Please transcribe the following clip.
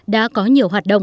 đã có nhiều hoạt động